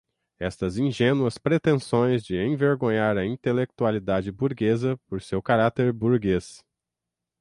Estas ingênuas pretensões de envergonhar a intelectualidade burguesa por seu caráter burguês